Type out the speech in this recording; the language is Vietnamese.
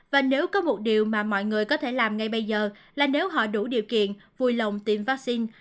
và nếu có một điều mà mọi người có thể làm ngay bây giờ là nếu họ đủ điều kiện vui lòng tiêm vaccine